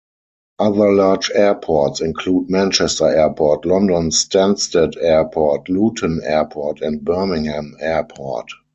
Other large airports include Manchester Airport, London Stansted Airport, Luton Airport and Birmingham Airport.